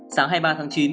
sáng hai mươi ba tháng chín